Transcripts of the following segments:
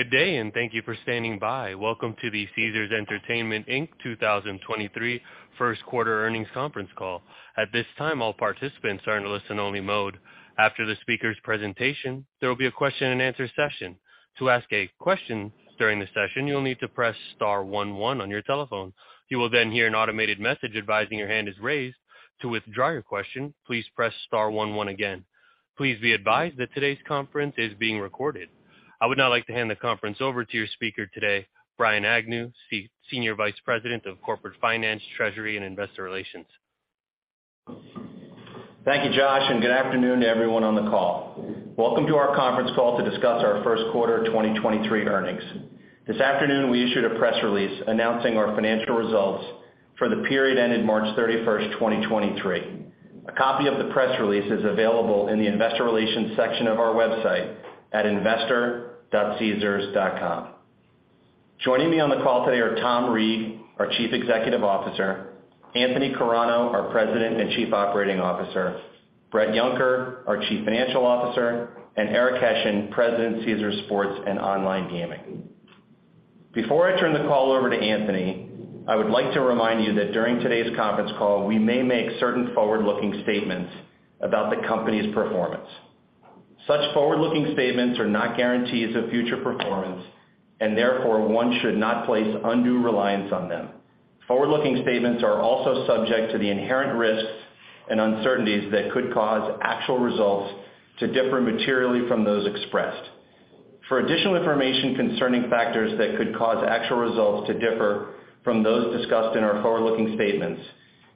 Good day, and thank you for standing by. Welcome to the Caesars Entertainment, Inc. 2023 first quarter earnings conference call. At this time, all participants are in listen only mode. After the speaker's presentation, there will be a Q&A session. To ask a question during the session, you'll need to press star one one on your telephone. You will then hear an automated message advising your hand is raised. To withdraw your question, please press star one one again. Please be advised that today's conference is being recorded. I would now like to hand the conference over to your speaker today, Brian Agnew, Senior Vice President, Corporate Finance, Treasury, and Investor Relations. Thank you, Josh, and good afternoon to everyone on the call. Welcome to our conference call to discuss our first quarter 2023 earnings. This afternoon, we issued a press release announcing our financial results for the period ended March 31st, 2023. A copy of the press release is available in the Investor Relations section of our website at investor.caesars.com. Joining me on the call today are Tom Reeg, our Chief Executive Officer, Anthony Carano, our President and Chief Operating Officer, Bret Yunker, our Chief Financial Officer, and Eric Hession, President, Caesars Sports and Online Gaming. Before I turn the call over to Anthony, I would like to remind you that during today's conference call, we may make certain forward-looking statements about the company's performance. Such forward-looking statements are not guarantees of future performance, and therefore, one should not place undue reliance on them. Forward-looking statements are also subject to the inherent risks and uncertainties that could cause actual results to differ materially from those expressed. For additional information concerning factors that could cause actual results to differ from those discussed in our forward-looking statements,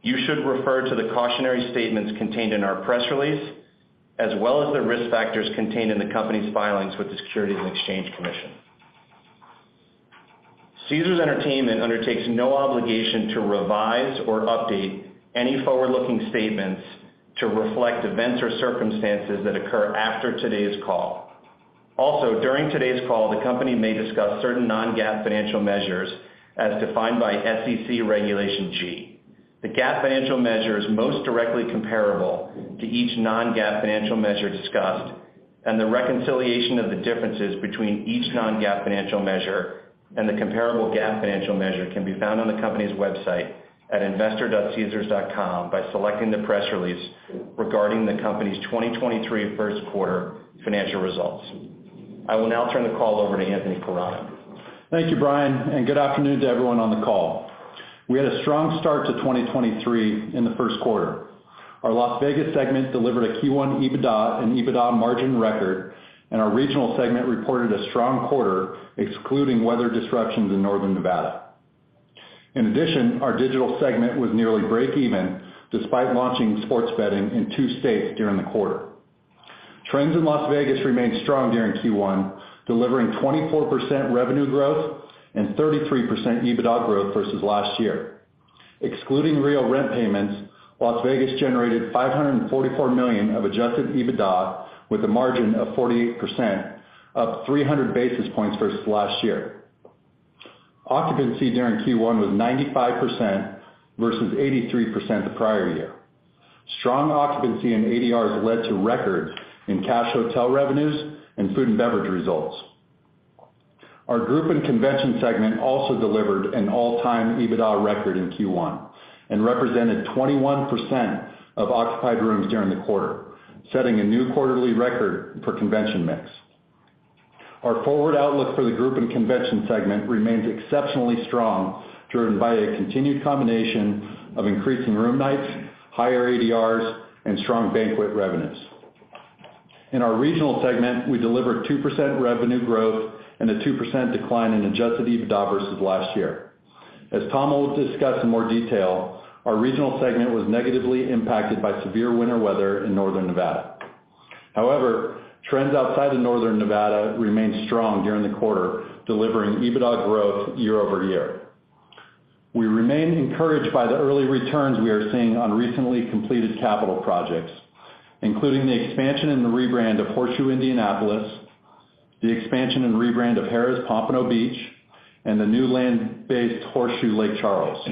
you should refer to the cautionary statements contained in our press release, as well as the risk factors contained in the company's filings with the Securities and Exchange Commission. Caesars Entertainment undertakes no obligation to revise or update any forward-looking statements to reflect events or circumstances that occur after today's call. Also, during today's call, the company may discuss certain non-GAAP financial measures as defined by SEC Regulation G. The GAAP financial measure is most directly comparable to each non-GAAP financial measure discussed, and the reconciliation of the differences between each non-GAAP financial measure and the comparable GAAP financial measure can be found on the company's website at investor.Caesars.com by selecting the press release regarding the company's 2023 first quarter financial results. I will now turn the call over to Anthony Carano. Thank you, Brian. Good afternoon to everyone on the call. We had a strong start to 2023 in the first quarter. Our Las Vegas segment delivered a Q1 EBITDA and EBITDA margin record, and our regional segment reported a strong quarter, excluding weather disruptions in Northern Nevada. In addition, our digital segment was nearly break even despite launching sports betting in two states during the quarter. Trends in Las Vegas remained strong during Q1, delivering 24% revenue growth and 33% EBITDA growth versus last year. Excluding real rent payments, Las Vegas generated $544 million of adjusted EBITDA with a margin of 48%, up 300 basis points versus last year. Occupancy during Q1 was 95% versus 83% the prior year. Strong occupancy in ADRs led to records in cash hotel revenues and food and beverage results. Our group and convention segment also delivered an all-time EBITDA record in Q1 and represented 21% of occupied rooms during the quarter, setting a new quarterly record for convention mix. Our forward outlook for the group and convention segment remains exceptionally strong, driven by a continued combination of increasing room nights, higher ADRs, and strong banquet revenues. In our regional segment, we delivered 2% revenue growth and a 2% decline in adjusted EBITDA versus last year. As Tom will discuss in more detail, our regional segment was negatively impacted by severe winter weather in Northern Nevada. Trends outside of Northern Nevada remained strong during the quarter, delivering EBITDA growth YoY. We remain encouraged by the early returns we are seeing on recently completed capital projects, including the expansion and the rebrand of Horseshoe Indianapolis, the expansion and rebrand of Harrah's Pompano Beach, and the new land-based Horseshoe Lake Charles.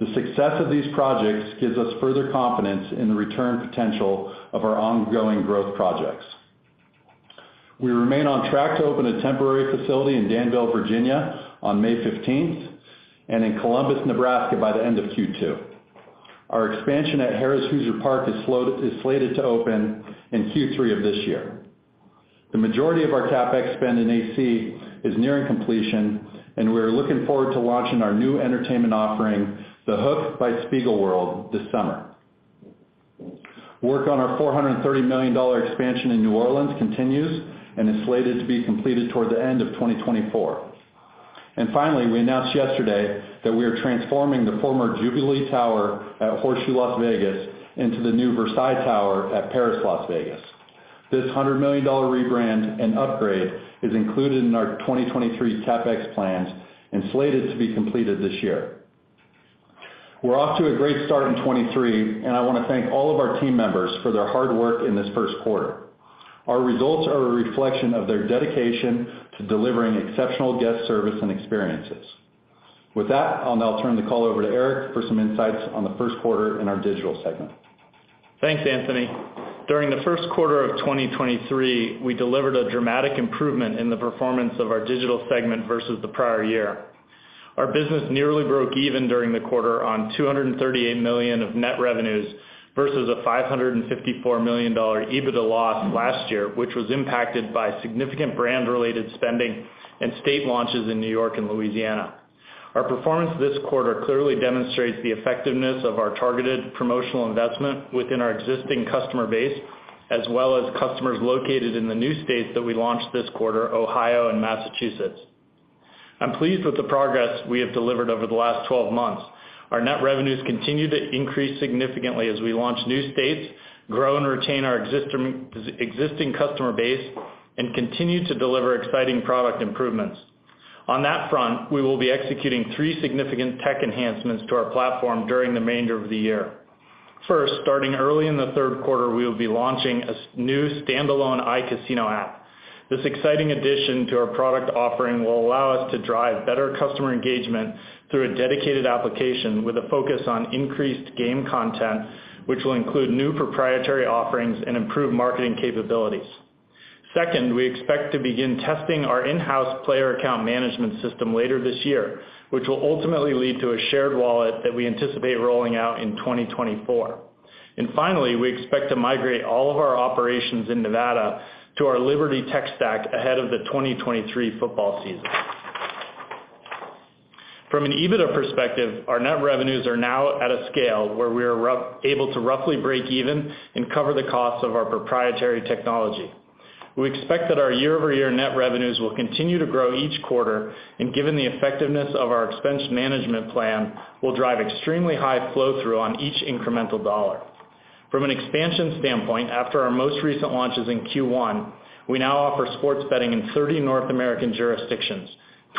The success of these projects gives us further confidence in the return potential of our ongoing growth projects. We remain on track to open a temporary facility in Danville, Virginia on May 15th and in Columbus, Nebraska by the end of Q2. Our expansion at Harrah's Hoosier Park is slated to open in Q3 of this year. The majority of our CapEx spend in AC is nearing completion, and we're looking forward to launching our new entertainment offering, The Hook by Spiegelworld, this summer. Work on our $430 million expansion in New Orleans continues and is slated to be completed toward the end of 2024. Finally, we announced yesterday that we are transforming the former Jubilee Tower at Horseshoe Las Vegas into the new Versailles Tower at Paris Las Vegas. This $100 million rebrand and upgrade is included in our 2023 CapEx plans and slated to be completed this year. We're off to a great start in 2023, I want to thank all of our team members for their hard work in this first quarter. Our results are a reflection of their dedication to delivering exceptional guest service and experiences. With that, I'll now turn the call over to Eric for some insights on the first quarter in our digital segment. Thanks, Anthony. During the first quarter of 2023, we delivered a dramatic improvement in the performance of our digital segment versus the prior year. Our business nearly broke even during the quarter on $238 million of net revenues versus a $554 million EBITDA loss last year, which was impacted by significant brand-related spending and state launches in New York and Louisiana. Our performance this quarter clearly demonstrates the effectiveness of our targeted promotional investment within our existing customer base, as well as customers located in the new states that we launched this quarter, Ohio and Massachusetts. I'm pleased with the progress we have delivered over the last 12 months. Our net revenues continue to increase significantly as we launch new states, grow and retain our existing customer base, and continue to deliver exciting product improvements. On that front, we will be executing three significant tech enhancements to our platform during the remainder of the year. First, starting early in the third quarter, we will be launching a new standalone iCasino app. This exciting addition to our product offering will allow us to drive better customer engagement through a dedicated application with a focus on increased game content, which will include new proprietary offerings and improved marketing capabilities. Second, we expect to begin testing our in-house player account management system later this year, which will ultimately lead to a shared wallet that we anticipate rolling out in 2024. Finally, we expect to migrate all of our operations in Nevada to our Liberty tech stack ahead of the 2023 football season. From an EBITDA perspective, our net revenues are now at a scale where we are able to roughly break even and cover the cost of our proprietary technology. We expect that our YoY net revenues will continue to grow each quarter, and given the effectiveness of our expense management plan, will drive extremely high flow-through on each incremental dollar. From an expansion standpoint, after our most recent launches in Q1, we now offer sports betting in 30 North American jurisdictions,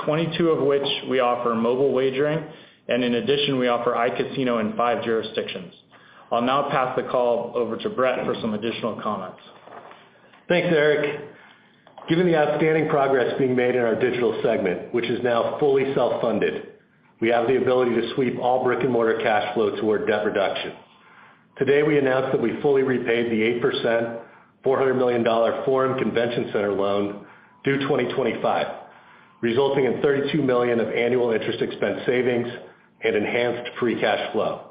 22 of which we offer mobile wagering, and in addition, we offer iCasino in five jurisdictions. I'll now pass the call over to Bret for some additional comments. Thanks, Eric. Given the outstanding progress being made in our digital segment, which is now fully self-funded, we have the ability to sweep all brick-and-mortar cash flow toward debt reduction. Today, we announced that we fully repaid the 8%, $400 million Forum Convention Center loan due 2025, resulting in $32 million of annual interest expense savings and enhanced free cash flow.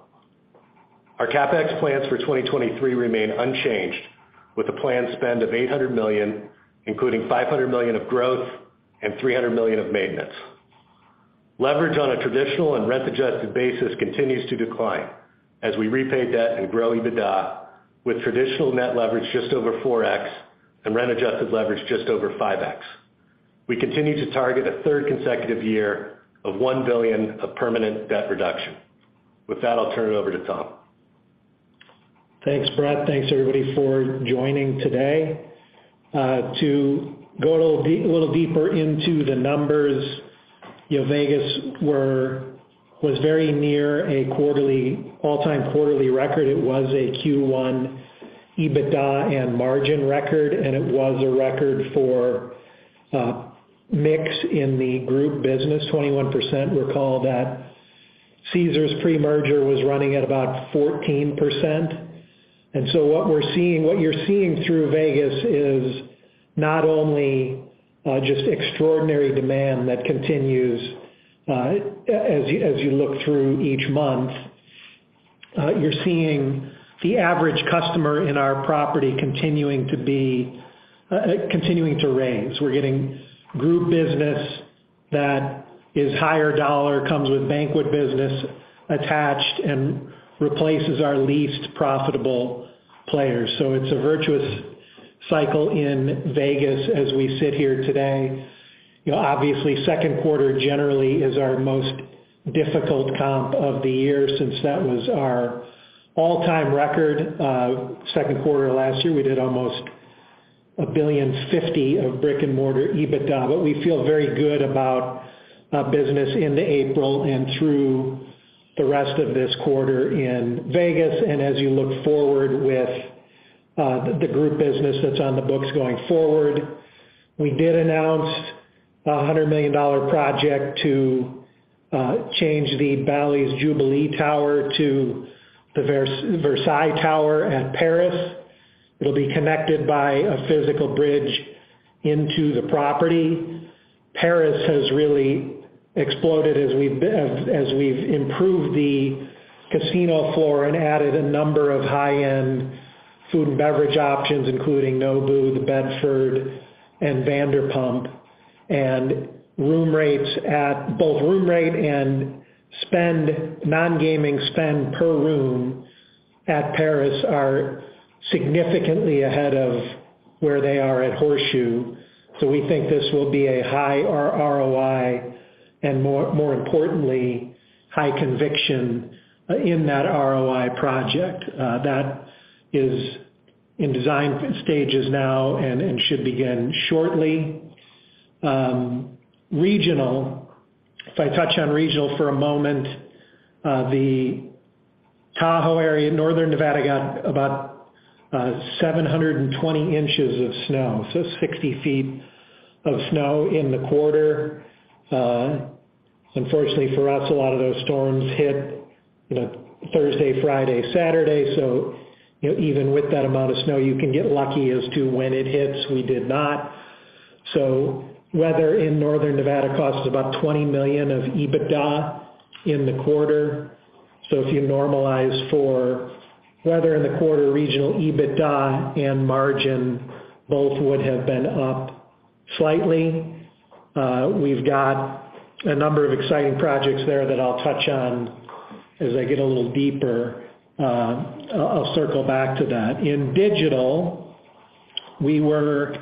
Our CapEx plans for 2023 remain unchanged, with a planned spend of $800 million, including $500 million of growth and $300 million of maintenance. Leverage on a traditional and rent-adjusted basis continues to decline as we repay debt and grow EBITDA, with traditional net leverage just over 4x and rent-adjusted leverage just over 5x. We continue to target a third consecutive year of $1 billion of permanent debt reduction. With that, I'll turn it over to Tom. Thanks, Bret. Thanks, everybody, for joining today. To go a little deeper into the numbers, you know, Vegas was very near a quarterly, all-time quarterly record. It was a Q1 EBITDA and margin record, and it was a record for mix in the group business, 21%. Recall that Caesars pre-merger was running at about 14%. What we're seeing, what you're seeing through Vegas is not only just extraordinary demand that continues as you look through each month. You're seeing the average customer in our property continuing to be continuing to raise. We're getting group business that is higher dollar, comes with banquet business attached, and replaces our least profitable players. It's a virtuous cycle in Vegas as we sit here today. Obviously, second quarter generally is our most difficult comp of the year since that was our all-time record. Second quarter last year, we did almost $1.05 billion of brick-and-mortar EBITDA, but we feel very good about business into April and through the rest of this quarter in Vegas and as you look forward with the group business that's on the books going forward. We did announce a $100 million project to change the Bally's Jubilee Tower to the Versailles Tower at Paris. It'll be connected by a physical bridge into the property. Paris has really exploded as we've improved the casino floor and added a number of high-end food and beverage options, including Nobu, The Bedford, and Vanderpump. Room rates at both room rate and spend, non-gaming spend per room at Paris are significantly ahead of where they are at Horseshoe, so we think this will be a high ROI and, more importantly, high conviction in that ROI project. That is in design stages now and should begin shortly. Regional, if I touch on regional for a moment, the Tahoe area, Northern Nevada, got about 720 inches of snow, so 60 feet of snow in the quarter. Unfortunately for us, a lot of those storms hit, you know, Thursday, Friday, Saturday. You know, even with that amount of snow, you can get lucky as to when it hits. We did not. Weather in Northern Nevada cost us about $20 million of EBITDA in the quarter. If you normalize for weather in the quarter, regional EBITDA and margin both would have been up slightly. We've got a number of exciting projects there that I'll touch on as I get a little deeper. I'll circle back to that. In digital, we were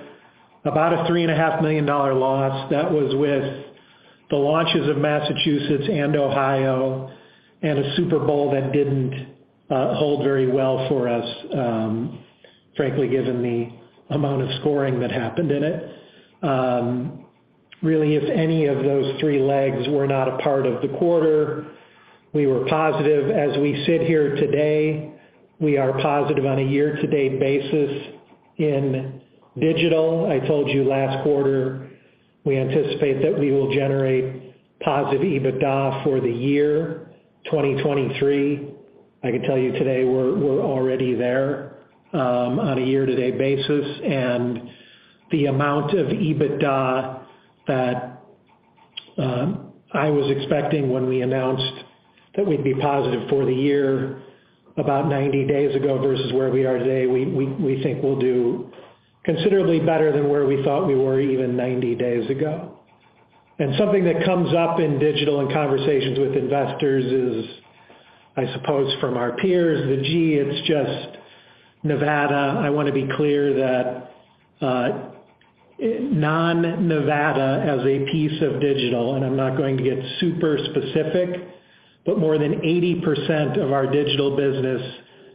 about a $3.5 million loss. That was with the launches of Massachusetts and Ohio and a Super Bowl that didn't hold very well for us, frankly, given the amount of scoring that happened in it. Really if any of those three legs were not a part of the quarter, we were positive. As we sit here today, we are positive on a year-to-date basis in digital. I told you last quarter, we anticipate that we will generate positive EBITDA for the year 2023. I can tell you today we're already there on a year-to-date basis. The amount of EBITDA that I was expecting when we announced that we'd be positive for the year about 90 days ago versus where we are today, we think we'll do considerably better than where we thought we were even 90 days ago. Something that comes up in digital in conversations with investors is, I suppose from our peers, the, "Gee, it's just Nevada." I want to be clear that non-Nevada as a piece of digital, and I'm not going to get super specific, but more than 80% of our digital business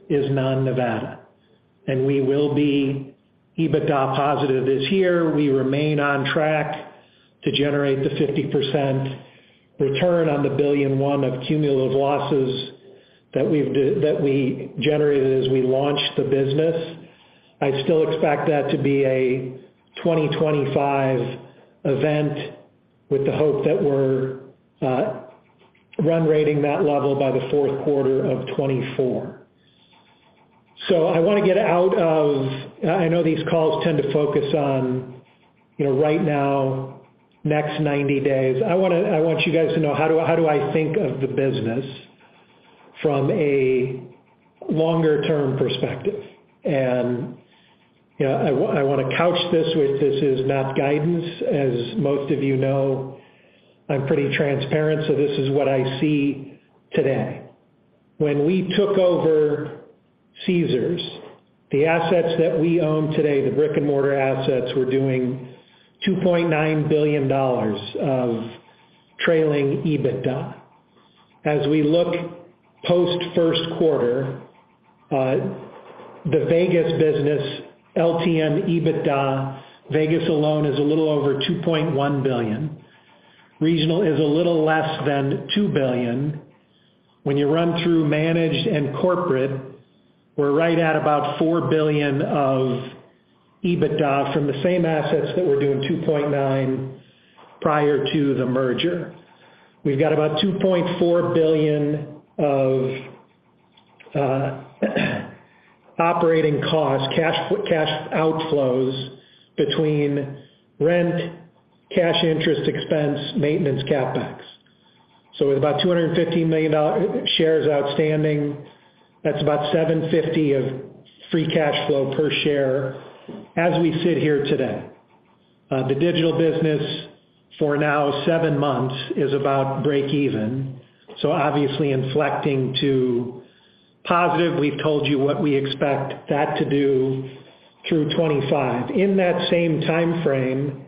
is non-Nevada. We will be EBITDA positive this year. We remain on track to generate the 50% return on the $1.1 billion of cumulative losses that we generated as we launched the business. I still expect that to be a 2025 event with the hope that we're run rating that level by the fourth quarter of 2024. I want to get out of... I know these calls tend to focus on, you know, right now, next 90 days. I want you guys to know how do I think of the business from a longer-term perspective. You know, I want to couch this with this is not guidance. As most of you know, I'm pretty transparent, so this is what I see today. When we took over Caesars, the assets that we own today, the brick-and-mortar assets, were doing $2.9 billion of trailing EBITDA. As we look post first quarter, the Vegas business, LTM EBITDA, Vegas alone is a little over $2.1 billion. Regional is a little less than $2 billion. When you run through managed and corporate, we're right at about $4 billion of EBITDA from the same assets that were doing $2.9 prior to the merger. We've got about $2.4 billion of operating costs, cash outflows between rent, cash interest expense, maintenance CapEx. With about 215 million shares outstanding, that's about $7.50 of free cash flow per share as we sit here today. The digital business for now 7 months is about break even, obviously inflecting to positive. We've told you what we expect that to do through 2025. In that same timeframe,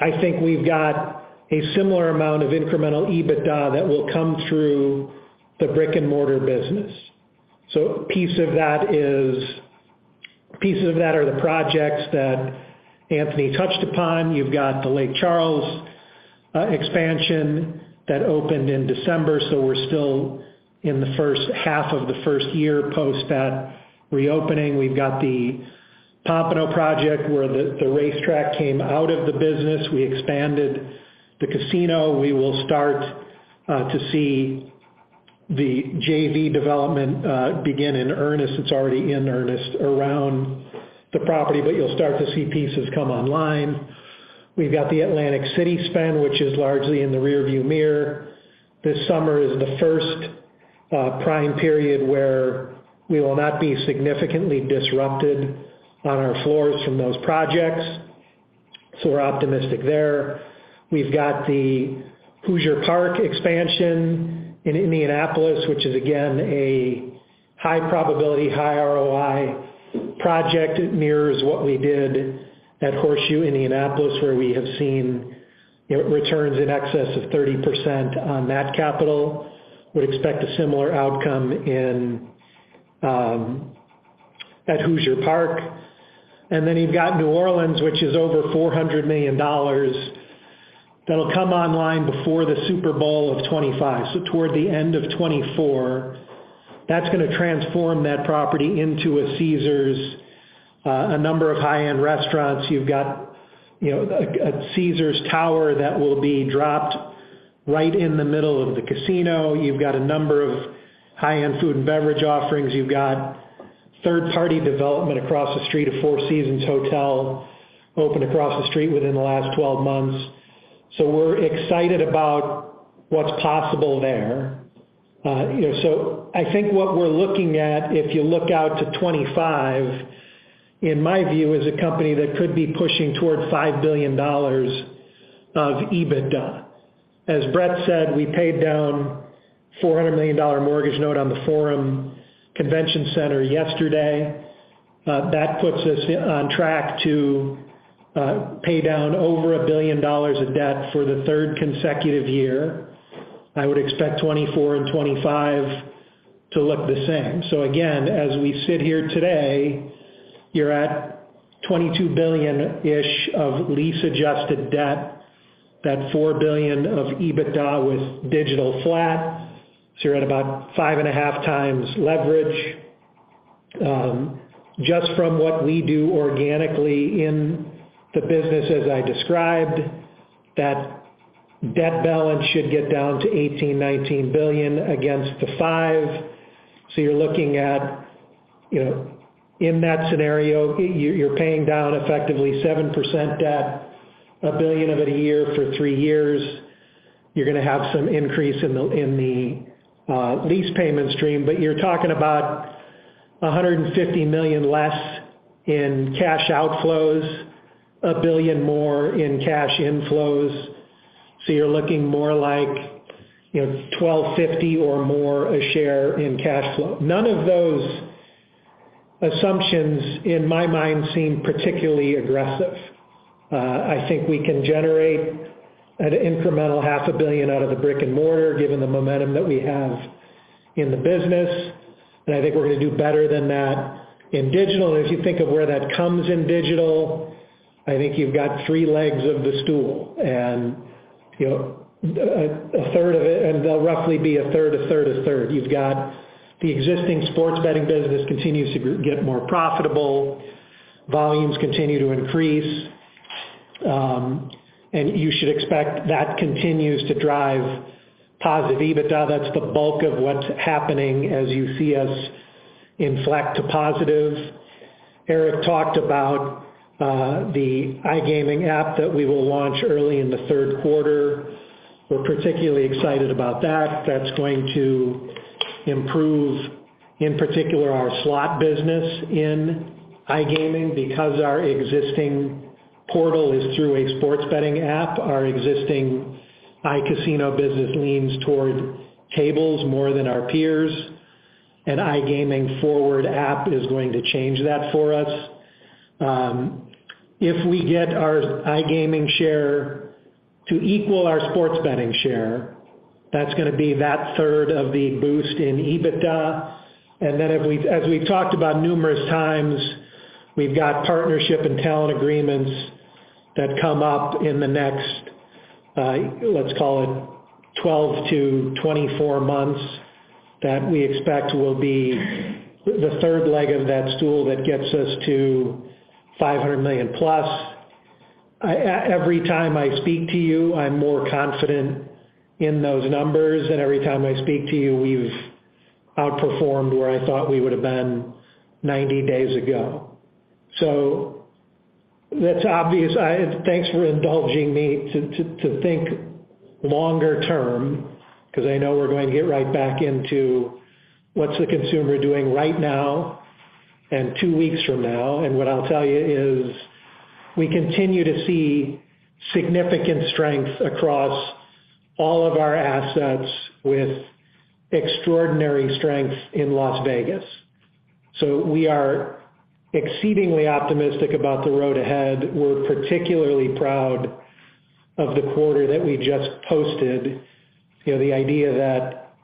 I think we've got a similar amount of incremental EBITDA that will come through the brick-and-mortar business. Pieces of that are the projects that Anthony touched upon. You've got the Lake Charles expansion that opened in December, we're still in the first half of the first year post that reopening. We've got the Pompano project where the racetrack came out of the business. We expanded the casino. We will start to see the JV development begin in earnest. It's already in earnest around the property, you'll start to see pieces come online. We've got the Atlantic City spend, which is largely in the rearview mirror. This summer is the first prime period where we will not be significantly disrupted on our floors from those projects, we're optimistic there. We've got the Hoosier Park expansion in Indianapolis, which is again, a high probability, high ROI project. It mirrors what we did at Horseshoe Indianapolis, where we have seen, you know, returns in excess of 30% on that capital. Would expect a similar outcome at Hoosier Park. You've got New Orleans, which is over $400 million that'll come online before the Super Bowl of 2025, so toward the end of 2024. That's going to transform that property into a Caesars. A number of high-end restaurants. A Caesars Tower that will be dropped right in the middle of the casino. You've got a number of high-end food and beverage offerings. You've got third-party development across the street, a Four Seasons Hotel opened across the street within the last 12 months. We're excited about what's possible there. You know, I think what we're looking at, if you look out to 2025, in my view, is a company that could be pushing toward $5 billion of EBITDA. As Bret said, we paid down a $400 million mortgage note on the Forum Convention Center yesterday. That puts us on track to pay down over $1 billion of debt for the third consecutive year. I would expect 2024 and 2025 to look the same. Again, as we sit here today, you're at $22 billion-ish of lease-adjusted debt, that $4 billion of EBITDA with digital flat, you're at about 5.5 times leverage. Just from what we do organically in the business as I described, that debt balance should get down to $18 billion-$19 billion against the five. You're looking at, you know, in that scenario, you're paying down effectively 7% debt, $1 billion of it a year for three years. You're gonna have some increase in the lease payment stream, you're talking about $150 million less in cash outflows, $1 billion more in cash inflows. You're looking more like, you know, $12.50 or more a share in cash flow. None of those assumptions, in my mind, seem particularly aggressive. I think we can generate an incremental half a billion out of the brick-and-mortar given the momentum that we have in the business, and I think we're gonna do better than that in digital. As you think of where that comes in digital, I think you've got three legs of the stool. You know, a third of it and they'll roughly be a third, a third, a third. You've got the existing sports betting business continues to get more profitable, volumes continue to increase, and you should expect that continues to drive positive EBITDA. That's the bulk of what's happening as you see us inflect to positive. Eric talked about the iGaming app that we will launch early in the third quarter. We're particularly excited about that. That's going to improve, in particular, our slot business in iGaming because our existing portal is through a sports betting app. Our existing iCasino business leans toward tables more than our peers, and iGaming forward app is going to change that for us. If we get our iGaming share to equal our sports betting share, that's gonna be that third of the boost in EBITDA. As we've talked about numerous times, we've got partnership and talent agreements that come up in the next, let's call it, 12 months-24 months that we expect will be the third leg of that stool that gets us to +$500 million. I, every time I speak to you, I'm more confident in those numbers, and every time I speak to you, we've outperformed where I thought we would have been 90 days ago. That's obvious. Thanks for indulging me to think longer term, because I know we're going to get right back into what's the consumer doing right now and two weeks from now. What I'll tell you is we continue to see significant strength across all of our assets with extraordinary strength in Las Vegas. We are exceedingly optimistic about the road ahead. We're particularly proud of the quarter that we just posted. You know, the idea that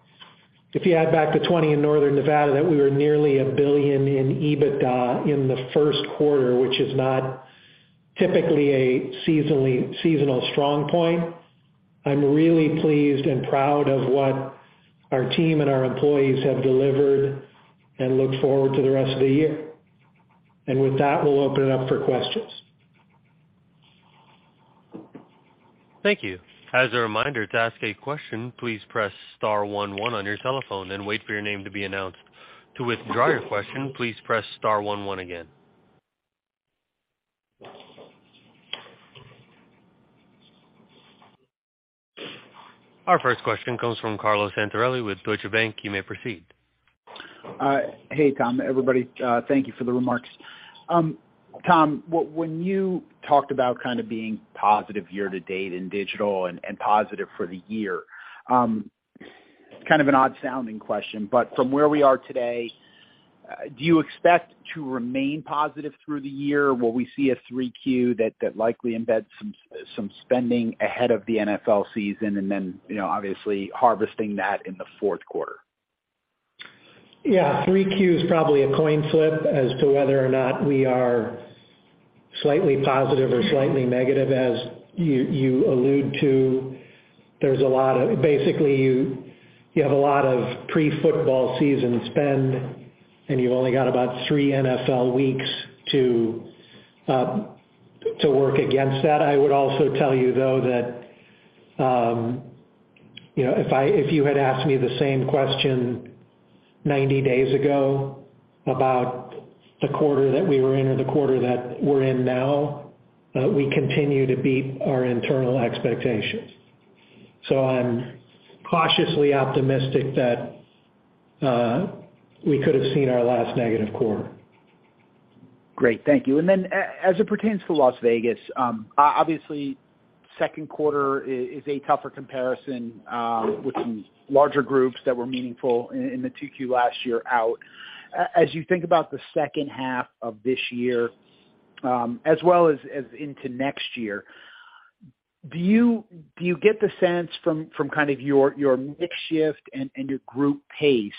if you add back the $20 million in Northern Nevada, that we were nearly $1 billion in EBITDA in the first quarter, which is not typically a seasonal strong point. I'm really pleased and proud of what our team and our employees have delivered, and look forward to the rest of the year. With that, we'll open it up for questions. Thank you. As a reminder, to ask a question, please press star one one on your telephone, then wait for your name to be announced. To withdraw your question, please press star one one again. Our first question comes from Carlo Santarelli with Deutsche Bank. You may proceed. Hey, Tom, everybody. Thank you for the remarks. Tom, when you talked about kind of being positive year-to-date in digital and positive for the year, kind of an odd-sounding question, but from where we are today, do you expect to remain positive through the year? Will we see a 3Q that likely embeds some spending ahead of the NFL season and then, you know, obviously harvesting that in the 4Q? Yeah. Three Q is probably a coin flip as to whether or not we are slightly positive or slightly negative as you allude to. Basically, you have a lot of pre-football season spend, and you've only got about three NFL weeks to work against that. I would also tell you, though, that, you know, if you had asked me the same question 90 days ago about the quarter that we were in or the quarter that we're in now, we continue to beat our internal expectations. I'm cautiously optimistic that we could have seen our last negative quarter. Great. Thank you. Then as it pertains to Las Vegas, obviously, second quarter is a tougher comparison, with some larger groups that were meaningful in the two Q last year out. As you think about the second half of this year, as well as into next year, do you get the sense from kind of your mix shift and your group pace,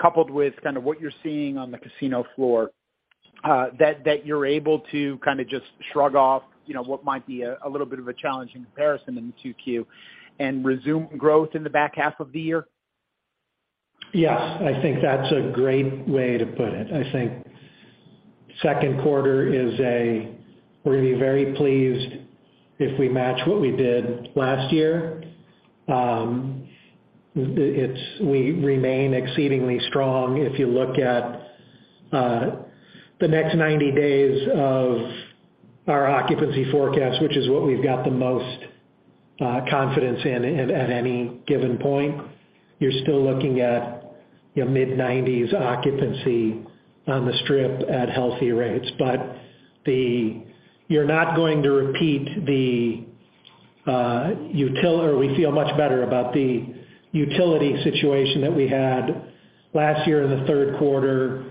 coupled with kind of what you're seeing on the casino floor, that you're able to kind of just shrug off, you know, what might be a little bit of a challenging comparison in the two Q and resume growth in the back half of the year? Yes. I think that's a great way to put it. I think second quarter is we're gonna be very pleased if we match what we did last year. We remain exceedingly strong. If you look at the next 90 days of our occupancy forecast, which is what we've got the most confidence in at any given point, you're still looking at, you know, mid-90s occupancy on the Strip at healthy rates. You're not going to repeat the or we feel much better about the utility situation that we had last year in the third quarter,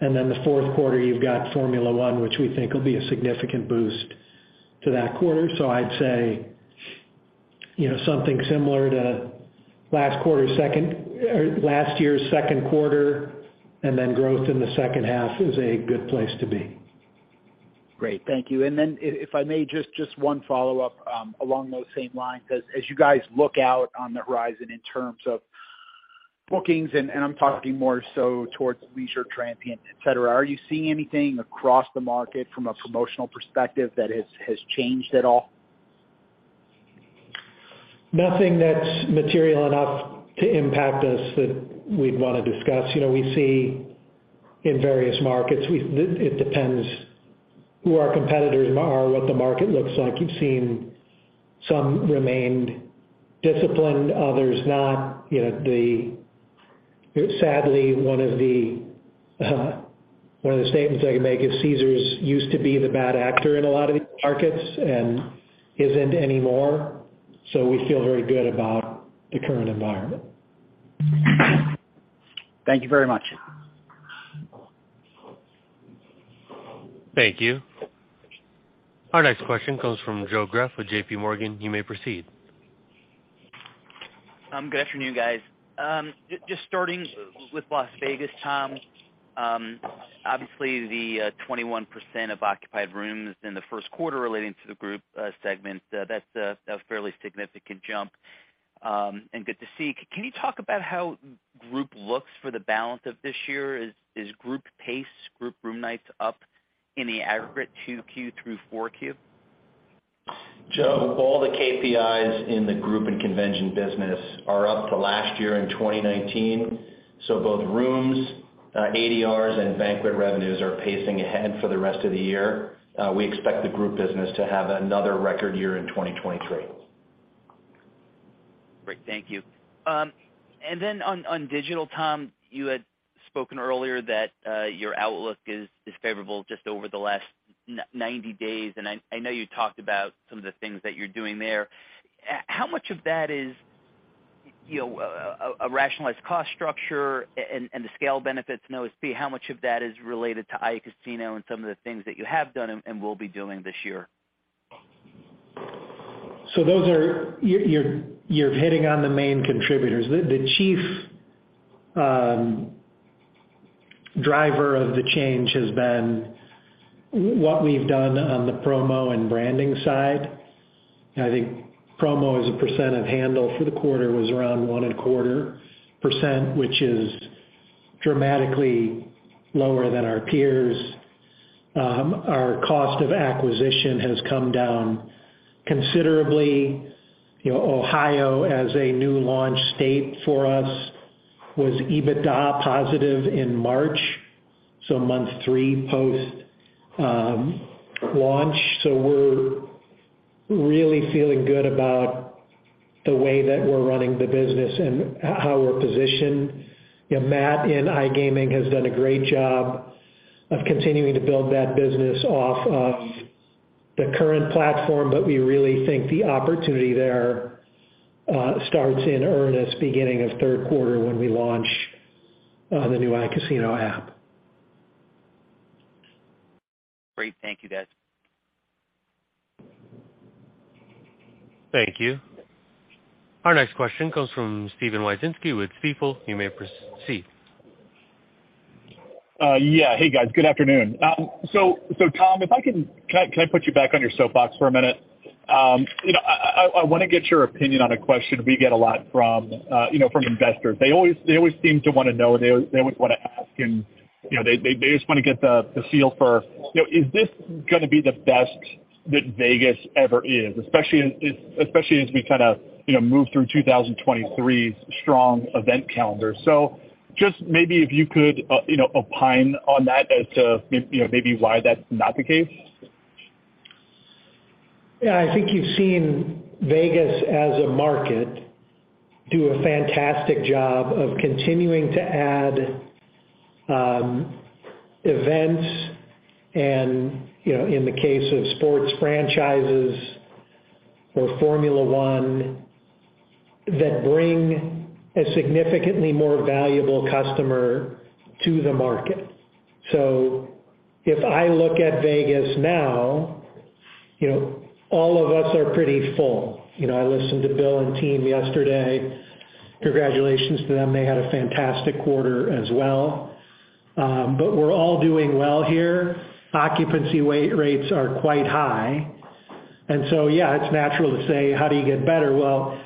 and then the fourth quarter you've got Formula One, which we think will be a significant boost to that quarter. I'd say, you know, something similar to last year's second quarter and then growth in the second half is a good place to be. Great. Thank you. If, if I may, just one follow-up, along those same lines. As, as you guys look out on the horizon in terms of bookings, and I'm talking more so towards leisure transient, etc, are you seeing anything across the market from a promotional perspective that has changed at all? Nothing that's material enough to impact us that we'd wanna discuss. You know, we see in various markets, it depends who our competitors are, what the market looks like. We've seen some remained disciplined, others not. You know, sadly, one of the statements I can make is Caesars used to be the bad actor in a lot of these markets and isn't anymore, so we feel very good about the current environment. Thank you very much. Thank you. Our next question comes from Joe Greff with J.P. Morgan. You may proceed. Good afternoon, guys. Just starting with Las Vegas, Tom. Obviously, the 21% of occupied rooms in the first quarter relating to the group segment, that's a, that's a fairly significant jump, and good to see. Can you talk about how group looks for the balance of this year? Is group pace, group room nights up in the aggregate 2Q through 4Q? Joe, all the KPIs in the group and convention business are up to last year in 2019. Both rooms, ADRs, and banquet revenues are pacing ahead for the rest of the year. We expect the group business to have another record year in 2023. Great. Thank you. Then on digital, Tom, you had spoken earlier that your outlook is favorable just over the last 90 days, and I know you talked about some of the things that you're doing there. How much of that is, you know, a rationalized cost structure and the scale benefits in OSB? How much of that is related to iCasino and some of the things that you have done and will be doing this year? Those are. You're hitting on the main contributors. The chief driver of the change has been what we've done on the promo and branding side. I think promo as a percent of handle for the quarter was around 1 1/4%, which is dramatically lower than our peers. Our cost of acquisition has come down considerably. You know, Ohio as a new launch state for us was EBITDA positive in March, month three post launch. We're really feeling good about the way that we're running the business and how we're positioned. You know, Matt in iGaming has done a great job of continuing to build that business off of the current platform, we really think the opportunity there starts in earnest beginning of third quarter when we launch the new iCasino app. Great. Thank you, guys. Thank you. Our next question comes from Steven Wieczynski with Stifel. You may proceed. Yeah. Hey, guys. Good afternoon. Tom, if I can put you back on your soapbox for a minute? You know, I wanna get your opinion on a question we get a lot from, you know, from investors. They always seem to wanna know, they always wanna ask and, you know, they just wanna get the feel for, you know, is this gonna be the best that Vegas ever is, especially as we kinda, you know, move through 2023's strong event calendar. Just maybe if you could, you know, opine on that as to you know, maybe why that's not the case. Yeah. I think you've seen Vegas as a market do a fantastic job of continuing to add events and, you know, in the case of sports franchises or Formula One, that bring a significantly more valuable customer to the market. If I look at Vegas now, you know, all of us are pretty full. You know, I listened to Bill and team yesterday. Congratulations to them. They had a fantastic quarter as well. But we're all doing well here. Occupancy weight rates are quite high. Yeah, it's natural to say, "How do you get better?" Well,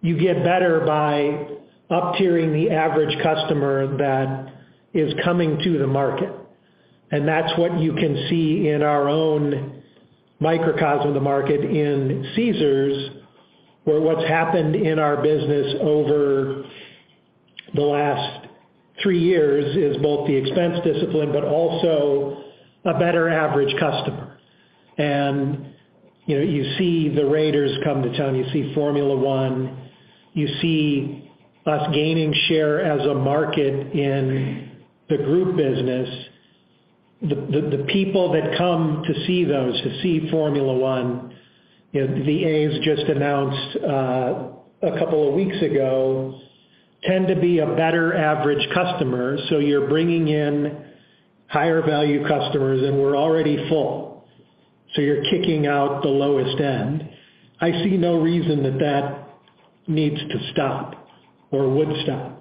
you get better by up-tiering the average customer that is coming to the market. That's what you can see in our own microcosm of the market in Caesars, where what's happened in our business over the last three years is both the expense discipline but also a better average customer. You know, you see the Raiders come to town, you see Formula One, you see us gaining share as a market in the group business. The people that come to see those, to see Formula One, you know, the A's just announced a couple of weeks ago, tend to be a better average customer, so you're bringing in higher value customers, and we're already full. You're kicking out the lowest end. I see no reason that that needs to stop or would stop.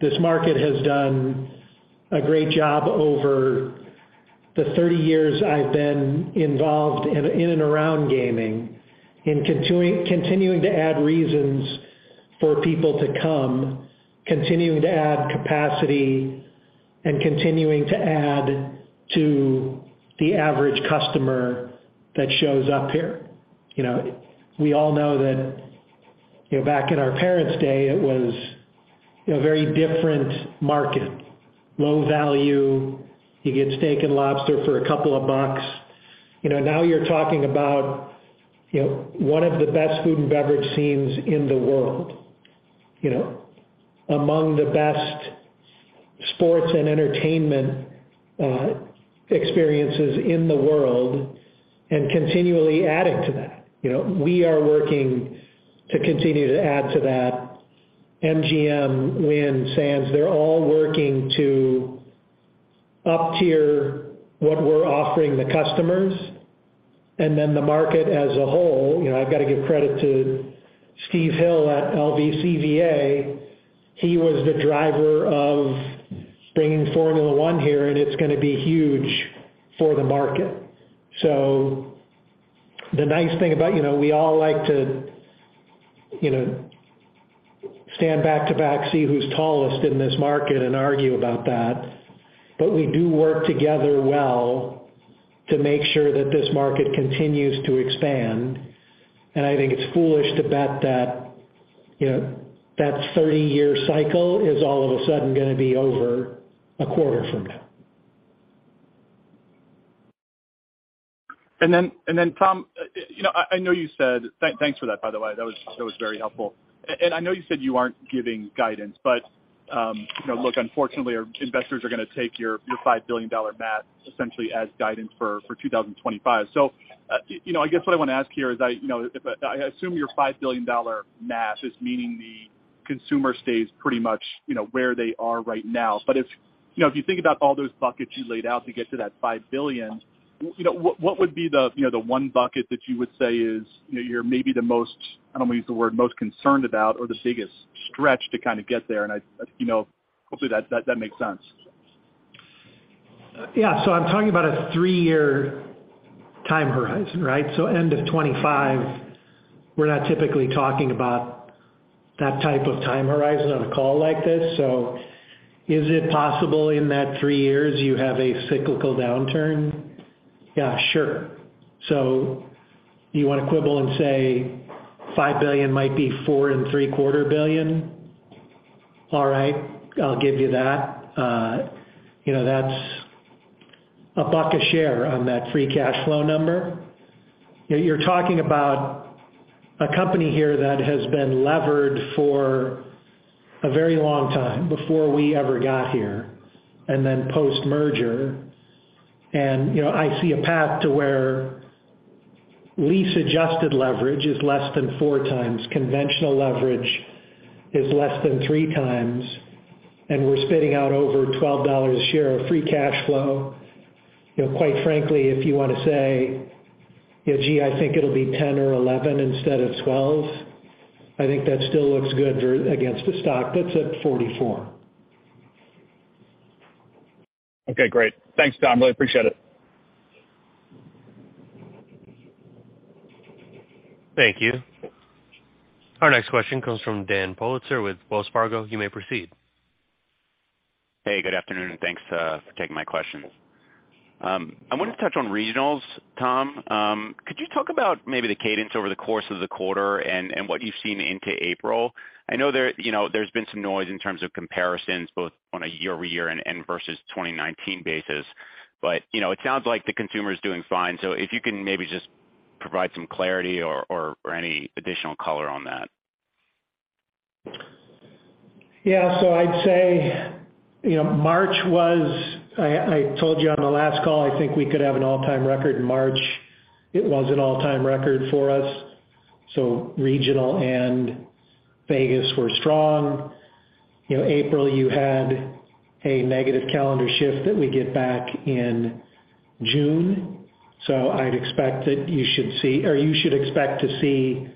This market has done a great job over the 30 years I've been involved in and around gaming in continuing to add reasons for people to come, continuing to add capacity, and continuing to add to the average customer that shows up here. You know, we all know that, you know, back in our parents' day, it was, you know, very different market, low value. You get steak and lobster for a couple of bucks. You know, now you're talking about, you know, one of the best food and beverage scenes in the world, you know. Among the best sports and entertainment experiences in the world and continually adding to that. You know, we are working to continue to add to that. MGM, Wynn, Sands, they're all working to up-tier what we're offering the customers. The market as a whole, you know, I've got to give credit to Steve Hill at LVCVA. He was the driver of bringing Formula One here, and it's gonna be huge for the market. The nice thing about, you know, we all like to, you know, stand back-to-back, see who's tallest in this market and argue about that, but we do work together well to make sure that this market continues to expand. I think it's foolish to bet that, you know, that 30-year cycle is all of a sudden gonna be over a quarter from now. Tom, you know, I know you said. Thanks for that, by the way. That was very helpful. I know you said you aren't giving guidance, but, you know, look, unfortunately, our investors are gonna take your $5 billion math essentially as guidance for 2025. You know, I guess what I wanna ask here is I, you know, if... I assume your $5 billion math is meaning the consumer stays pretty much, you know, where they are right now. If, you know, if you think about all those buckets you laid out to get to that $5 billion, you know, what would be the, you know, the one bucket that you would say is, you know, you're maybe the most, I don't wanna use the word most concerned about or the biggest stretch to kinda get there? I, you know, hopefully that, that makes sense. I'm talking about a three year time horizon, right? End of 2025, we're not typically talking about that type of time horizon on a call like this. Is it possible in that three years you have a cyclical downturn? Yeah, sure. You wanna quibble and say $5 billion might be $4 and three-quarter billion? All right, I'll give you that. You know, that's a $1 a share on that free cash flow number. You're talking about a company here that has been levered for a very long time before we ever got here and then post-merger. You know, I see a path to where lease-adjusted leverage is less than 4x, conventional leverage is less than 3x, and we're spitting out over $12 a share of free cash flow. You know, quite frankly, if you wanna say, you know, gee, I think it'll be 10 or 11 instead of 12, I think that still looks good against a stock that's at 44. Okay, great. Thanks, Tom. Really appreciate it. Thank you. Our next question comes from Dan Politzer with Wells Fargo. You may proceed. Hey, good afternoon, and thanks for taking my questions. I wanted to touch on regionals, Tom. Could you talk about maybe the cadence over the course of the quarter and what you've seen into April? I know there, you know, there's been some noise in terms of comparisons, both on a YoY and versus 2019 basis, but, you know, it sounds like the consumer's doing fine. If you can maybe just provide some clarity or any additional color on that. Yeah. I'd say, you know, March was... I told you on the last call, I think we could have an all-time record in March. It was an all-time record for us, so regional and Vegas were strong. You know, April, you had a negative calendar shift that we get back in June. I'd expect that you should expect to see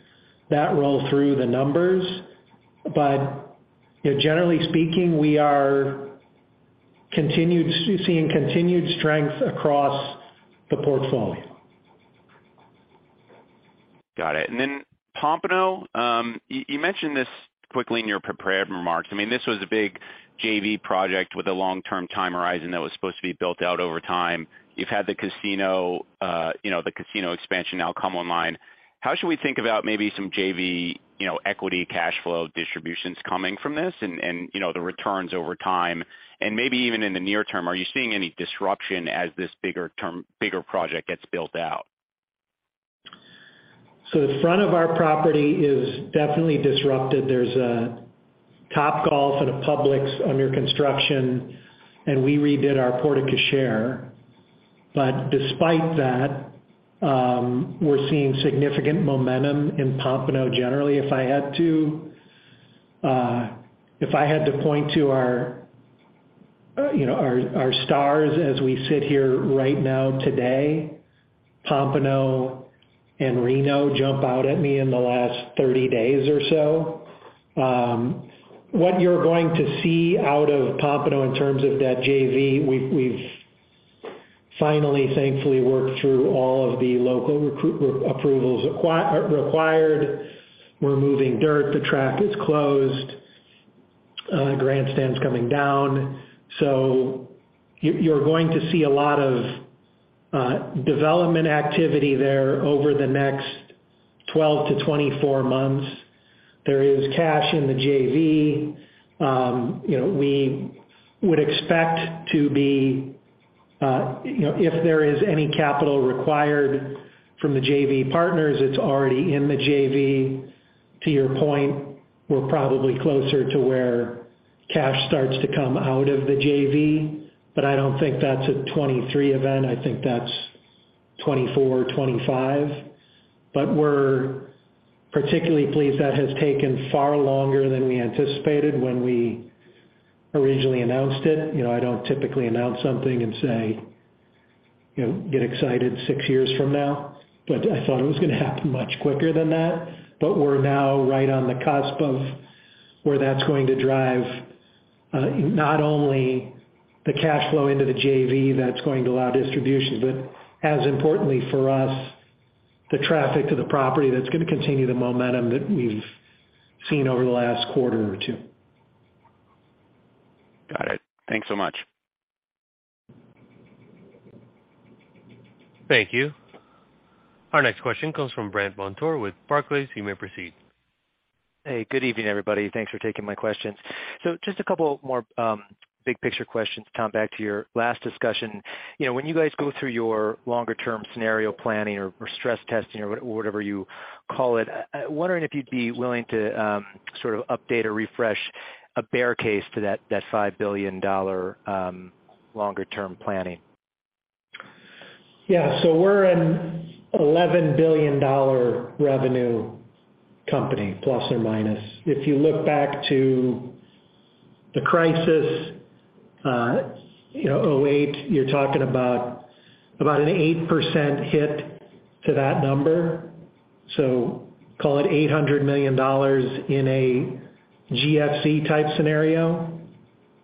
that roll through the numbers. You know, generally speaking, we are seeing continued strength across the portfolio. Got it. Then Pompano, you mentioned this quickly in your prepared remarks. I mean, this was a big JV project with a long-term time horizon that was supposed to be built out over time. You've had the casino, you know, the casino expansion now come online. How should we think about maybe some JV, you know, equity cash flow distributions coming from this and, you know, the returns over time? Maybe even in the near term, are you seeing any disruption as this bigger project gets built out? The front of our property is definitely disrupted. There's a Topgolf and a Publix under construction, and we redid our porte cochere. Despite that, we're seeing significant momentum in Pompano generally. If I had to, if I had to point to our, you know, our stars as we sit here right now today, Pompano and Reno jump out at me in the last 30 days or so. What you're going to see out of Pompano in terms of that JV, we've finally thankfully worked through all of the local approvals required. We're moving dirt. The track is closed. Grandstand's coming down. You're going to see a lot of development activity there over the next 12 to 24 months. There is cash in the JV. You know, we would expect to be, you know, if there is any capital required from the JV partners, it's already in the JV. To your point, we're probably closer to where cash starts to come out of the JV, but I don't think that's a 23 event. I think that's 24 or 25. We're particularly pleased that has taken far longer than we anticipated when we originally announced it. You know, I don't typically announce something and say, you know, get excited six years from now, but I thought it was gonna happen much quicker than that. We're now right on the cusp of where that's going to drive, not only the cash flow into the JV that's going to allow distribution, but as importantly for us, the traffic to the property that's going to continue the momentum that we've seen over the last quarter or two. Got it. Thanks so much. Thank you. Our next question comes from Brandt Montour with Barclays. You may proceed. Hey, good evening, everybody. Thanks for taking my questions. Just a couple more big picture questions, Tom, back to your last discussion. You know, when you guys go through your longer term scenario planning or stress testing or whatever you call it, wondering if you'd be willing to sort of update or refresh a bear case to that $5 billion longer term planning. Yeah. We're an $11 billion revenue company, ±. If you look back to the crisis, you know, 2008, you're talking about an 8% hit to that number. Call it $800 million in a GFC-type scenario.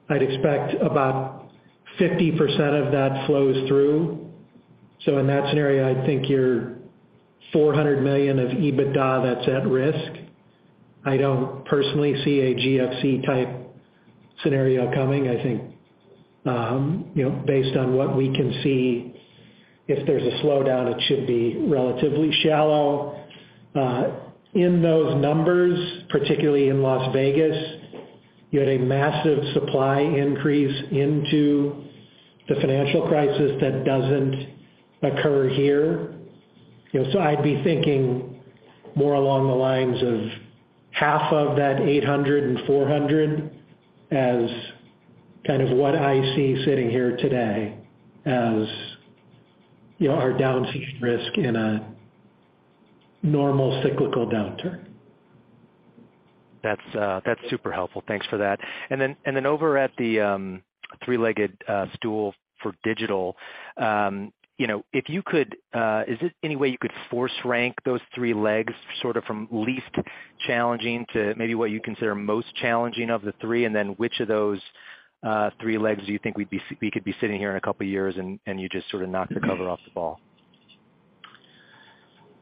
I'd expect about 50% of that flows through. In that scenario, I think you're $400 million of EBITDA that's at risk. I don't personally see a GFC-type scenario coming. I think, you know, based on what we can see, if there's a slowdown, it should be relatively shallow. In those numbers, particularly in Las Vegas, you had a massive supply increase into the financial crisis that doesn't occur here. You know, I'd be thinking more along the lines of half of that $800 and $400 as kind of what I see sitting here today as, you know, our downside risk in a normal cyclical downturn. That's, that's super helpful. Thanks for that. Then over at the three-legged stool for digital, you know, if you could... Is there any way you could force rank those three legs sort of from least challenging to maybe what you consider most challenging of the three, and then which of those three legs do you think we could be sitting here in a couple years and you just sort of knock the cover off the ball?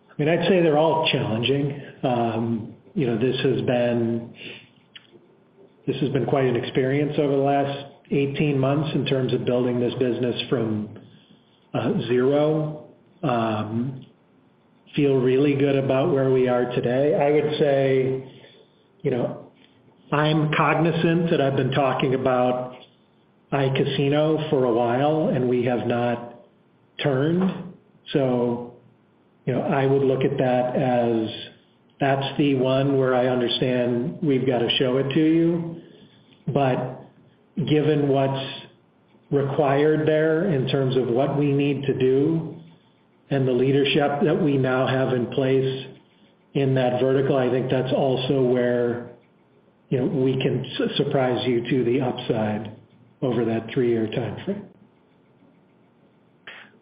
I mean, I'd say they're all challenging. You know, this has been, this has been quite an experience over the last 18 months in terms of building this business from 0. Feel really good about where we are today. I would say, you know, I'm cognizant that I've been talking about iCasino for a while, we have not turned. You know, I would look at that as that's the one where I understand we've gotta show it to you. Given what's required there in terms of what we need to do and the leadership that we now have in place in that vertical, I think that's also where, you know, we can surprise you to the upside over that three-year time frame.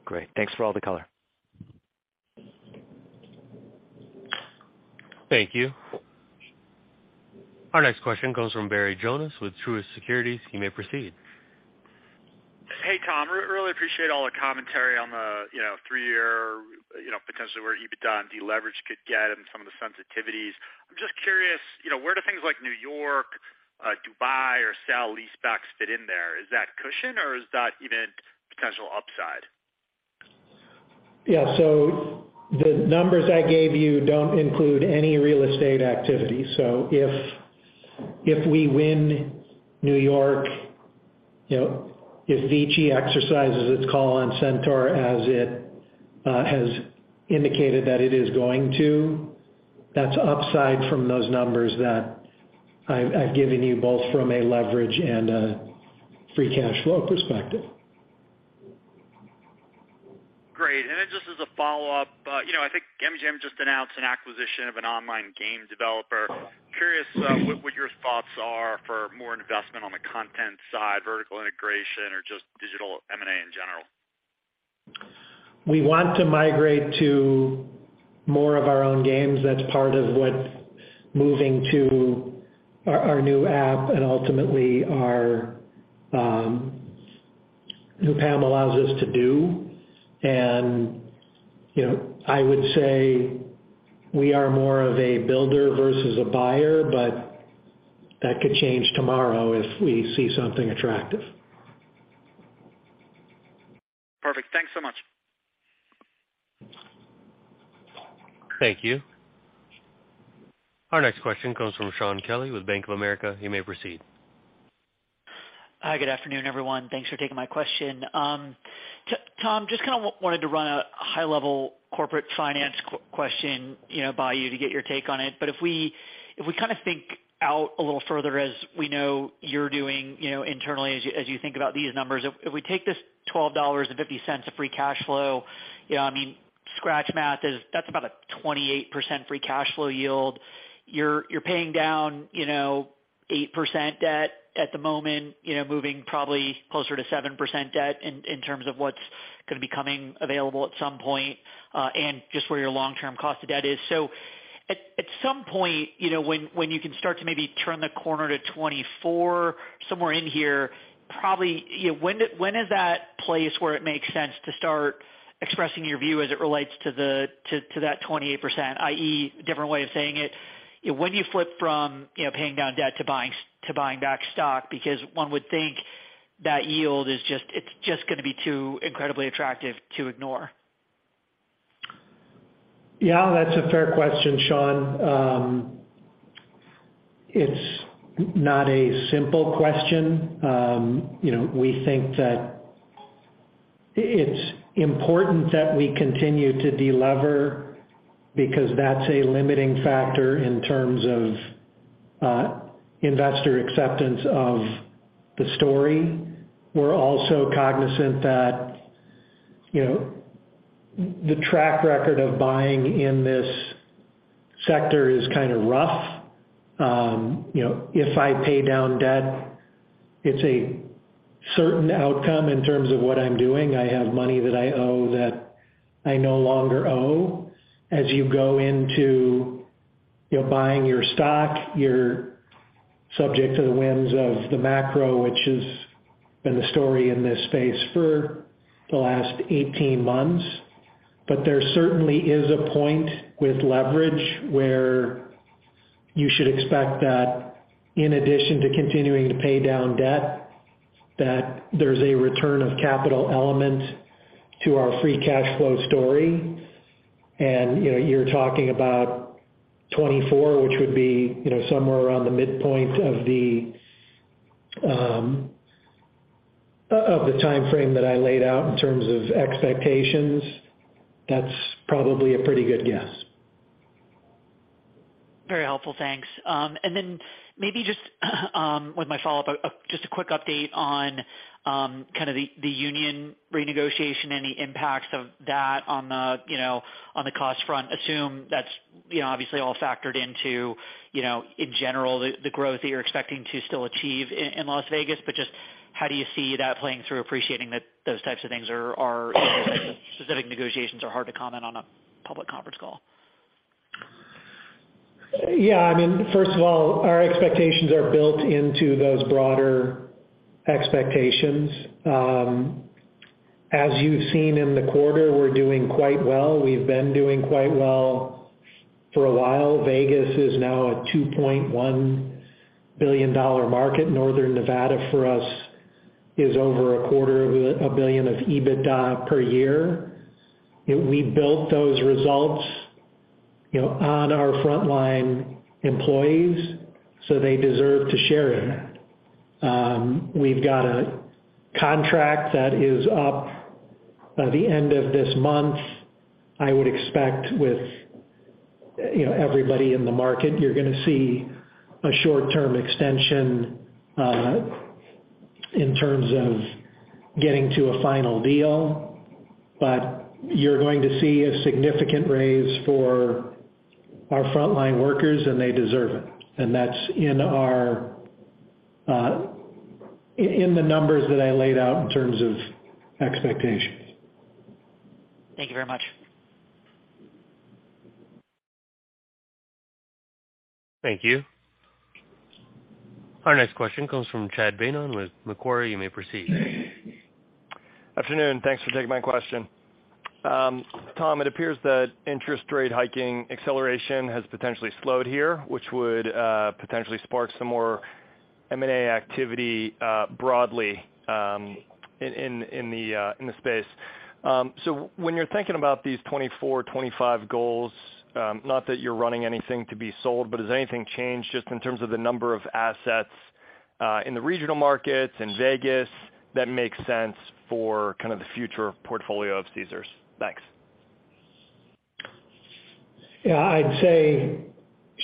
Great. Thanks for all the color. Thank you. Our next question comes from Barry Jonas with Truist Securities. You may proceed. Hey, Tom. Really appreciate all the commentary on the, you know, three-year, you know, potentially where EBITDA and deleverage could get and some of the sensitivities. I'm just curious, you know, where do things like New York, Dubai or sale-leasebacks fit in there? Is that cushion or is that even potential upside? Yeah. The numbers I gave you don't include any real estate activity. If we win New York, you know, if VICI exercises its call on Centaur as it has indicated that it is going to, that's upside from those numbers that I've given you both from a leverage and a free cash flow perspective. Great. Then just as a follow-up, you know, I think MGM just announced an acquisition of an online game developer. Curious, what your thoughts are for more investment on the content side, vertical integration or just digital M&A in general. We want to migrate to more of our own games. That's part of what's moving to our new app and ultimately our new PAM allows us to do. You know, I would say we are more of a builder versus a buyer, but that could change tomorrow if we see something attractive. Perfect. Thanks so much. Thank you. Our next question comes from Shaun Kelley with Bank of America. You may proceed. Hi, good afternoon, everyone. Thanks for taking my question. Tom, just kinda wanted to run a high level corporate finance question, you know, by you to get your take on it. If we, if we kinda think out a little further as we know you're doing, you know, internally as you, as you think about these numbers, if we take this $12.50 of free cash flow, you know, I mean, scratch math is that's about a 28% free cash flow yield. You're, you're paying down, you know, 8% debt at the moment, you know, moving probably closer to 7% debt in terms of what's gonna be coming available at some point, and just where your long-term cost of debt is. At some point, you know, when you can start to maybe turn the corner to 2024, somewhere in here, probably, you know, when is that place where it makes sense to start expressing your view as it relates to that 28%, i.e., different way of saying it, you know, when do you flip from, you know, paying down debt to buying back stock? One would think that yield is just, it's just gonna be too incredibly attractive to ignore. Yeah, that's a fair question, Shaun. It's not a simple question. You know, we think that it's important that we continue to delever because that's a limiting factor in terms of investor acceptance of the story. We're also cognizant that, you know, the track record of buying in this sector is kind of rough. You know, if I pay down debt, it's a certain outcome in terms of what I'm doing. I have money that I owe that I no longer owe. As you go into, you know, buying your stock, you're subject to the whims of the macro, which has been the story in this space for the last 18 months. There certainly is a point with leverage where you should expect that in addition to continuing to pay down debt, that there's a return of capital element to our free cash flow story. You know, you're talking about 24, which would be, you know, somewhere around the midpoint of the timeframe that I laid out in terms of expectations. That's probably a pretty good guess. Very helpful. Thanks. Maybe just, with my follow-up, just a quick update on kind of the union renegotiation, any impacts of that on the, you know, on the cost front. Assume that's, you know, obviously all factored into, you know, in general, the growth that you're expecting to still achieve in Las Vegas. Just how do you see that playing through appreciating that those types of things are specific negotiations are hard to comment on a public conference call. Yeah, I mean, first of all, our expectations are built into those broader expectations. As you've seen in the quarter, we're doing quite well. We've been doing quite well for a while. Vegas is now a $2.1 billion market. Northern Nevada for us is over a quarter of a billion of EBITDA per year. We built those results, you know, on our frontline employees, so they deserve to share in that. We've got a contract that is up by the end of this month. I would expect with, you know, everybody in the market, you're gonna see a short-term extension, in terms of getting to a final deal, but you're going to see a significant raise for our frontline workers, and they deserve it. That's in our in the numbers that I laid out in terms of expectations. Thank you very much. Thank you. Our next question comes from Chad Beynon with Macquarie. You may proceed. Afternoon. Thanks for taking my question. Tom, it appears that interest rate hiking acceleration has potentially slowed here, which would potentially spark some more M&A activity broadly in the space. When you're thinking about these 2024, 2025 goals, not that you're running anything to be sold, but has anything changed just in terms of the number of assets in the regional markets, in Vegas, that make sense for kind of the future portfolio of Caesars? Thanks. Yeah. I'd say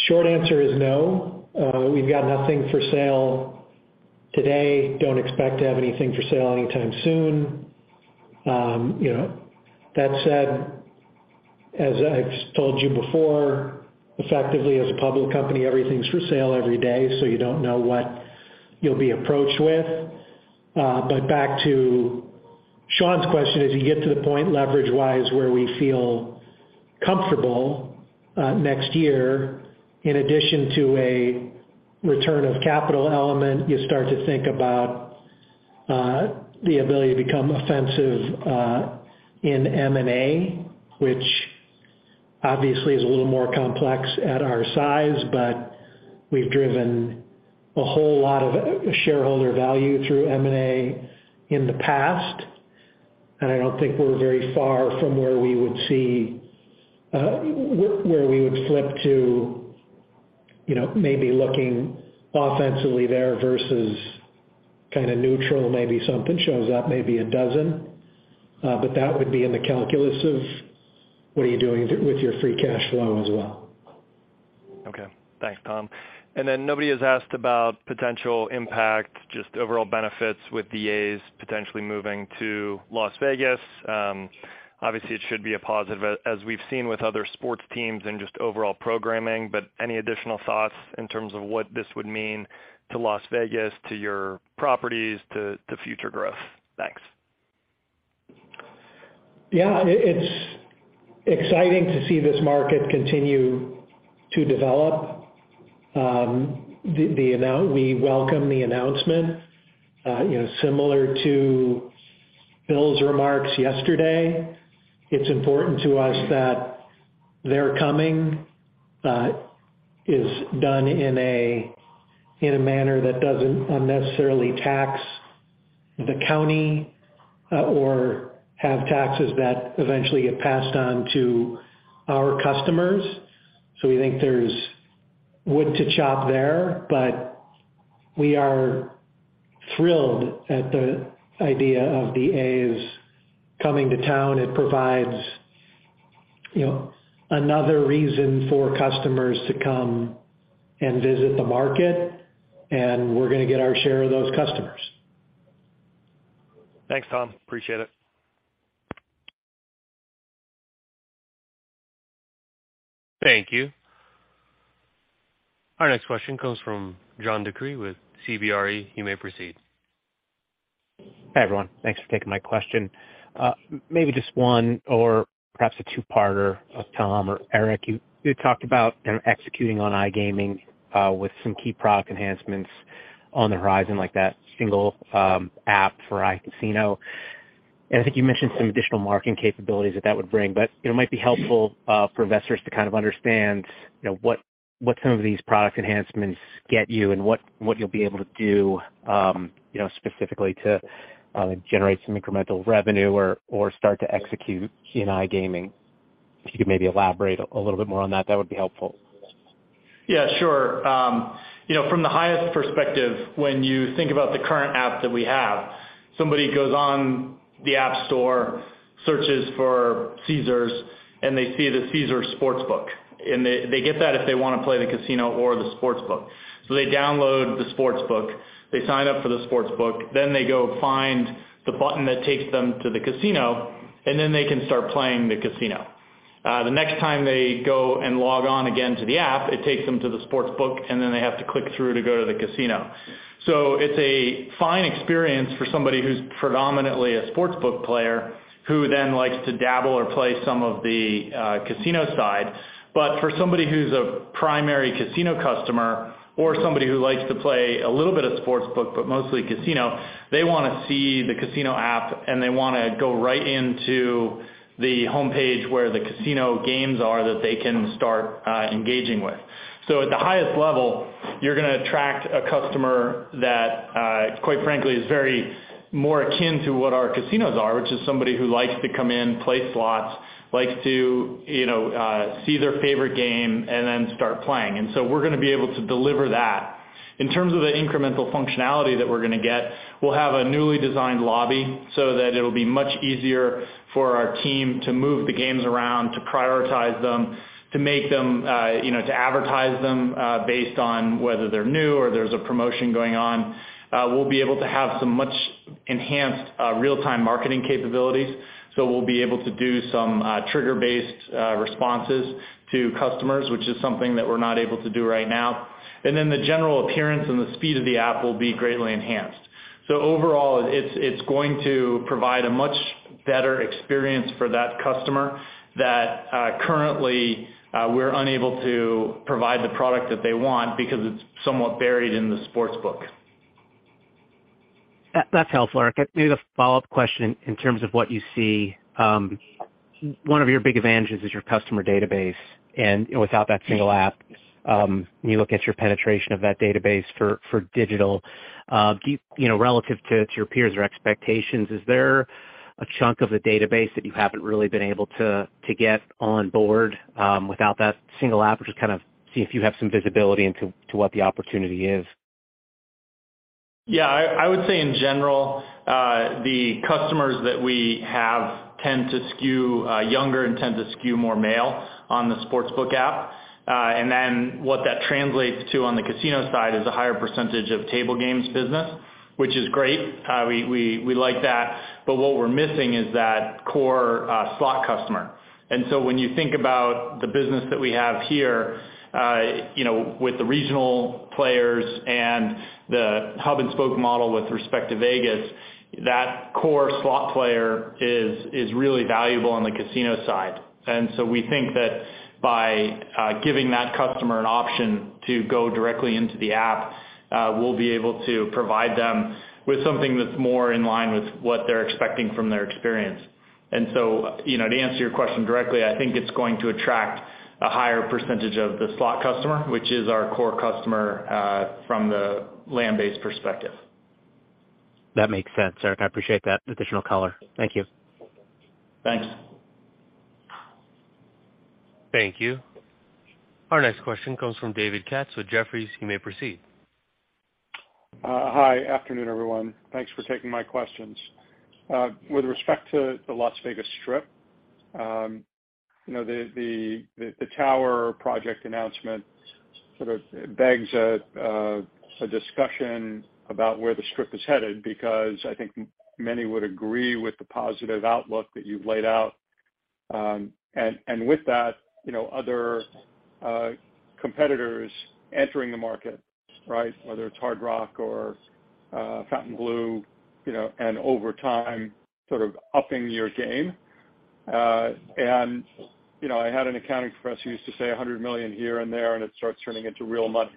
short answer is no. We've got nothing for sale today. Don't expect to have anything for sale anytime soon. You know, that said, as I've told you before, effectively as a public company, everything's for sale every day, so you don't know what you'll be approached with. Back to Shaun's question, as you get to the point leverage-wise, where we feel comfortable, next year, in addition to a return of capital element, you start to think about the ability to become offensive in M&A, which obviously is a little more complex at our size, but we've driven a whole lot of shareholder value through M&A in the past. I don't think we're very far from where we would see where we would flip to, you know, maybe looking offensively there versus kind of neutral. Maybe something shows up, maybe it doesn't. That would be in the calculus of what are you doing with your free cash flow as well. Okay. Thanks, Tom. Nobody has asked about potential impact, just overall benefits with the A's potentially moving to Las Vegas. Obviously, it should be a positive as we've seen with other sports teams and just overall programming, but any additional thoughts in terms of what this would mean to Las Vegas, to your properties, to future growth? Thanks. Yeah. It's exciting to see this market continue to develop. We welcome the announcement. You know, similar to Bill's remarks yesterday, it's important to us that their coming is done in a manner that doesn't unnecessarily tax the county or have taxes that eventually get passed on to our customers. We think there's wood to chop there. We are thrilled at the idea of the A's coming to town. It provides, you know, another reason for customers to come and visit the market. We're gonna get our share of those customers. Thanks, Tom. Appreciate it. Thank you. Our next question comes from John DeCree with CBRE. You may proceed. Hi, everyone. Thanks for taking my question. Maybe just one or perhaps a two-parter of Tom or Eric. You talked about kind of executing on iGaming with some key product enhancements on the horizon, like that single app for iCasino. And I think you mentioned some additional marketing capabilities that would bring. You know, it might be helpful for investors to kind of understand, you know, what some of these product enhancements get you and what you'll be able to do, you know, specifically to generate some incremental revenue or start to execute in iGaming. If you could maybe elaborate a little bit more on that would be helpful. Yeah, sure. you know, from the highest perspective, when you think about the current app that we have, somebody goes on the App Store, searches for Caesars, and they see the Caesars Sportsbook. They get that if they wanna play the casino or the sportsbook. They download the sportsbook, they sign up for the sportsbook, then they go find the button that takes them to the casino, and then they can start playing the casino. The next time they go and log on again to the app, it takes them to the sportsbook, and then they have to click through to go to the casino. It's a fine experience for somebody who's predominantly a sportsbook player who then likes to dabble or play some of the casino side. For somebody who's a primary casino customer or somebody who likes to play a little bit of sportsbook but mostly casino, they wanna see the casino app, and they wanna go right into the homepage where the casino games are that they can start engaging with. At the highest level, you're gonna attract a customer that, quite frankly, is very more akin to what our casinos are, which is somebody who likes to come in, play slots, likes to, you know, see their favorite game and then start playing. We're gonna be able to deliver that. In terms of the incremental functionality that we're gonna get, we'll have a newly designed lobby so that it'll be much easier for our team to move the games around, to prioritize them, to make them, you know, to advertise them, based on whether they're new or there's a promotion going on. We'll be able to have some much enhanced real-time marketing capabilities. We'll be able to do some trigger-based responses to customers, which is something that we're not able to do right now. The general appearance and the speed of the app will be greatly enhanced. Overall, it's going to provide a much better experience for that customer that currently we're unable to provide the product that they want because it's somewhat buried in the sportsbook. That's helpful, Eric. Maybe the follow-up question in terms of what you see. One of your big advantages is your customer database and, you know, without that single app, when you look at your penetration of that database for digital, keep, you know, relative to your peers or expectations, is there a chunk of the database that you haven't really been able to get on board, without that single app? Just kind of see if you have some visibility into what the opportunity is. I would say in general, the customers that we have tend to skew younger and tend to skew more male on the sportsbook app. What that translates to on the casino side is a higher percentage of table games business, which is great. We like that. What we're missing is that core slot customer. When you think about the business that we have here, you know, with the regional players and the hub-and-spoke model with respect to Vegas, that core slot player is really valuable on the casino side. We think that by giving that customer an option to go directly into the app, we'll be able to provide them with something that's more in line with what they're expecting from their experience. You know, to answer your question directly, I think it's going to attract a higher % of the slot customer, which is our core customer, from the land-based perspective. That makes sense, Eric. I appreciate that additional color. Thank you. Thanks. Thank you. Our next question comes from David Katz with Jefferies. You may proceed. Hi. Afternoon, everyone. Thanks for taking my questions. With respect to the Las Vegas Strip, you know, the tower project announcement sort of begs a discussion about where the Strip is headed because I think many would agree with the positive outlook that you've laid out. With that, you know, other competitors entering the market, right? Whether it's Hard Rock or Fontainebleau, you know, and over time, sort of upping your game. You know, I had an accounting professor who used to say $100 million here and there, and it starts turning into real money.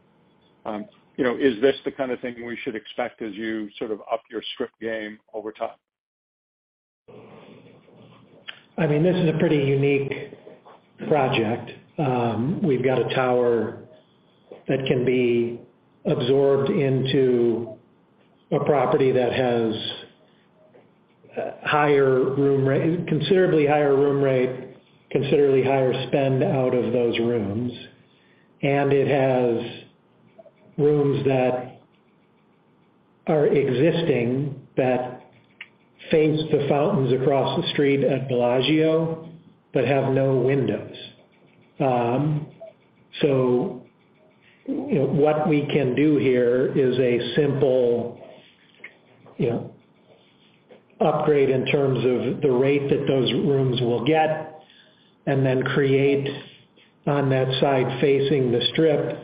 You know, is this the kind of thing we should expect as you sort of up your Strip game over time? I mean, this is a pretty unique project. We've got a tower that can be absorbed into a property that has, higher room rate, considerably higher spend out of those rooms, and it has rooms that are existing that face the fountains across the street at Bellagio, but have no windows. What we can do here is a simple, you know, upgrade in terms of the rate that those rooms will get, and then create on that side facing the Strip,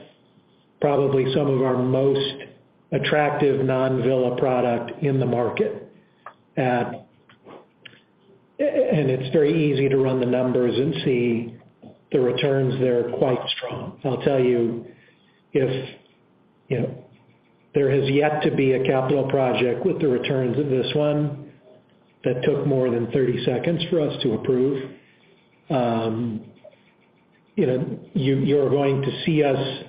probably some of our most attractive non-villa product in the market at... and it's very easy to run the numbers and see the returns there are quite strong. I'll tell you if, you know, there has yet to be a capital project with the returns of this one that took more than 30 seconds for us to approve. You know, you're going to see us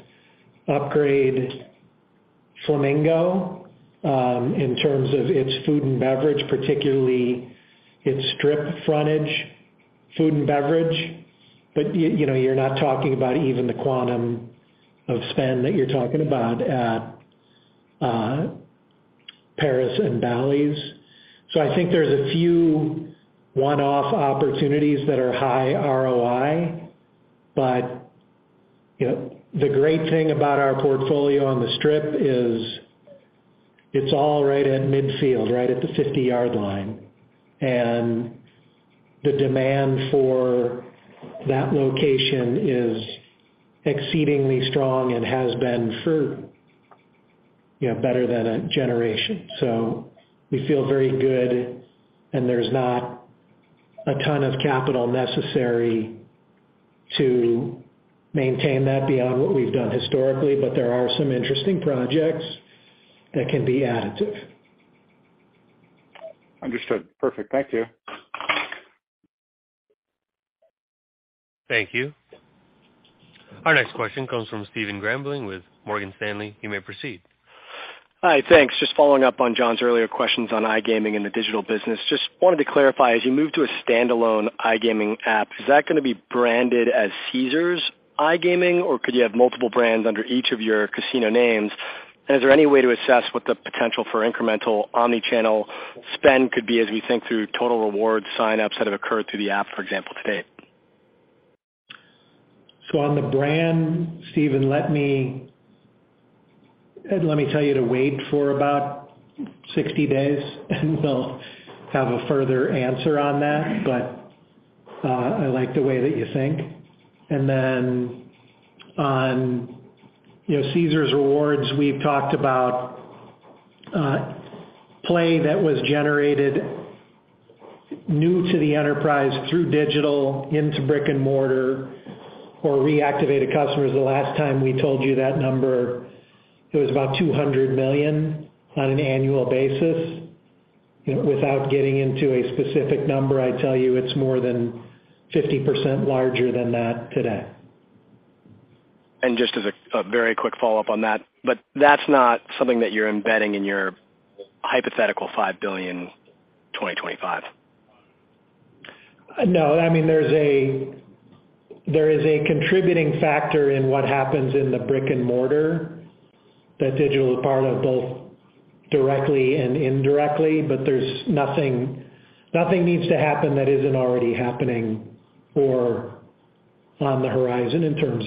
upgrade. Flamingo, in terms of its food and beverage, particularly its Strip frontage food and beverage. You know, you're not talking about even the quantum of spend that you're talking about at Paris and Bally's. I think there's a few one-off opportunities that are high ROI, but, you know, the great thing about our portfolio on the Strip is it's all right at midfield, right at the 50-yard line, and the demand for that location is exceedingly strong and has been for, you know, better than a generation. We feel very good, and there's not a ton of capital necessary to maintain that beyond what we've done historically, but there are some interesting projects that can be additive. Understood. Perfect. Thank you. Thank you. Our next question comes from Stephen Grambling with Morgan Stanley. You may proceed. Hi. Thanks. Just following up on John's earlier questions on iGaming and the digital business. Just wanted to clarify, as you move to a standalone iGaming app, is that gonna be branded as Caesars iGaming, or could you have multiple brands under each of your casino names? Is there any way to assess what the potential for incremental omni-channel spend could be as we think through Caesars Rewards sign-ups that have occurred through the app, for example, to date? On the brand, Stephen, let me tell you to wait for about 60 days, and we'll have a further answer on that. I like the way that you think. Then on, you know, Caesars Rewards, we've talked about play that was generated new to the enterprise through digital into brick and mortar or reactivated customers. The last time we told you that number, it was about $200 million on an annual basis. Without getting into a specific number, I'd tell you it's more than 50% larger than that today. Just as a very quick follow-up on that. That's not something that you're embedding in your hypothetical $5 billion 2025? No. I mean, there is a contributing factor in what happens in the brick and mortar that digital is part of, both directly and indirectly, but there's nothing needs to happen that isn't already happening or on the horizon in terms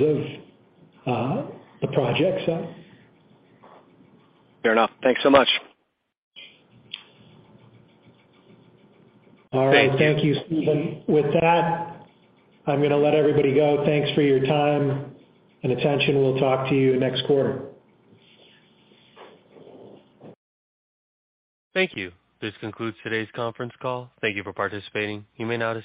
of the projects. Fair enough. Thanks so much. All right. Thank you, Stephen. With that, I'm gonna let everybody go. Thanks for your time and attention. We'll talk to you next quarter. Thank you. This concludes today's conference call. Thank you for participating. You may now disconnect.